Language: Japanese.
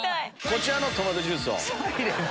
こちらのトマトジュースを。